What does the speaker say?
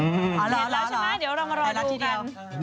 เห็นแล้วใช่ไหมเรามารอดูกัน